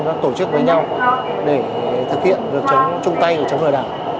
và tổ chức với nhau để thực hiện việc chống trung tay của chống lừa đảo